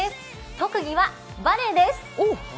特技はバレエです。